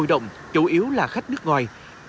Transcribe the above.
hội động chủ yếu là khách nước ngoài